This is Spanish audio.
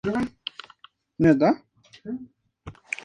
Luego continuó su progreso en clubes como Primavera, Ombú y Potencia.